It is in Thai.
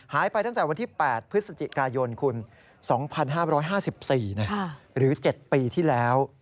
หายไปตั้งแต่วันที่๘พฤศจิกายนคุณ๒๕๕๔หรือ๗ปีที่แล้ว